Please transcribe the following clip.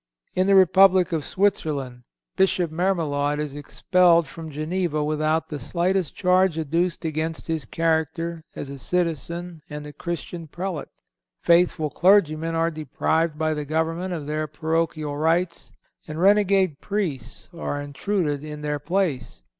In the Republic of Switzerland Bishop Mermillod is expelled from Geneva without the slightest charge adduced against his character as a citizen and a Christian Prelate. Faithful clergymen are deprived by the government of their parochial rights and renegade Priests are intruded in their place.